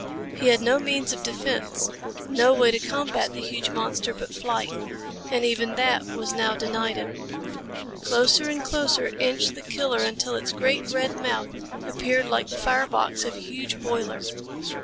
He had no means of defense, no way to combat the huge monster but flight. And even that was now denied him. Closer and closer inched the killer until its great, red mouth appeared like the fire box of a huge boiler.